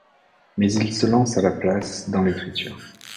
Mais il se lance à la place dans l'écriture.